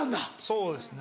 そうですね